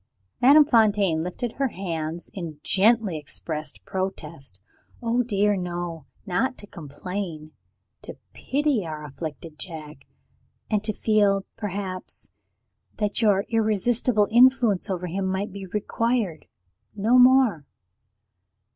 Madame Fontaine lifted her hands in gently expressed protest. "Oh, dear, no not to complain! To pity our afflicted Jack, and to feel, perhaps, that your irresistible influence over him might be required no more."